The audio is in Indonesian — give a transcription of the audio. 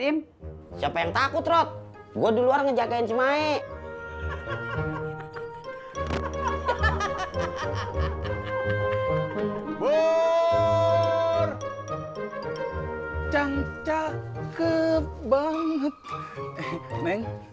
im siapa yang takut rock gua di luar ngejagain semai burr cangcah ke banget